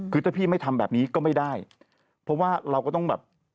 คือถ้าพี่ไม่ทำแบบนี้ก็ไม่ได้เพราะว่าเราก็ต้องแบบ